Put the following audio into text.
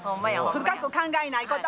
深く考えないこと。